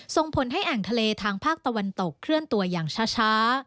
ส่งผลให้แอ่งทะเลทางภาคตะวันตกเคลื่อนตัวอย่างช้า